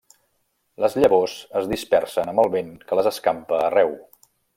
Les llavors es dispersen amb el vent que les escampa arreu.